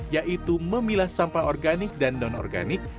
yaitu memilah sampah organik dan non organik